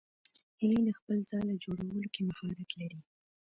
هیلۍ د خپل ځاله جوړولو کې مهارت لري